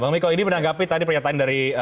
bang miko ini menanggapi tadi pernyataan dari